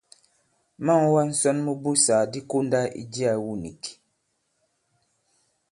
Ma᷇ŋ wā ŋsɔn mu ibussàk di kondā i jiā iwu nīk.